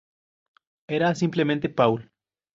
Era simplemente Paul.